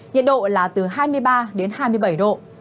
nhiệt độ là từ hai mươi ba đến hai mươi bảy độ